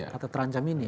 kata terancam ini